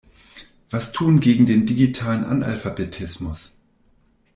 Was tun gegen den digitalen Analphabetismus?